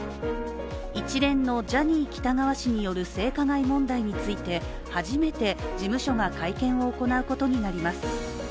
一連のジャニー喜多川氏による性加害問題について初めて事務所が会見を行うことになります。